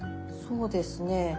そうですね。